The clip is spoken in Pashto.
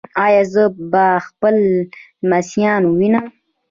ایا زه به خپل لمسیان ووینم؟